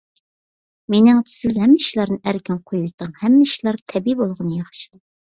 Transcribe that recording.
مېنىڭچە، سىز ھەممە ئىشلارنى ئەركىن قويۇۋېتىڭ. ھەممە ئىشلار تەبىئىي بولغىنى ياخشى.